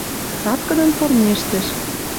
Цаткыдын кормежтӹш.